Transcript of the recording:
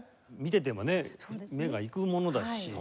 見ててもね目が行くものだし。